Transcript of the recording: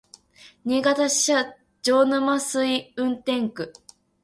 新潟支社上沼垂運転区